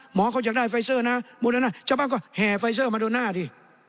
หมอเขาอยากได้ไฟเซอร์นะหมู่แล้วนะเจ้าบ้างก็แห่ไฟเซอร์มาดูหน้าดิ